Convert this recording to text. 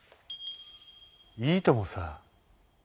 「いいともさ」。